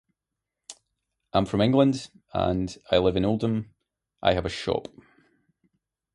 I'm from England. And, I live in Oldham. I have a shop.